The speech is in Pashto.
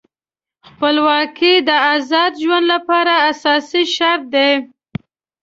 خپلواکي د آزاد ژوند لپاره اساسي شرط دی.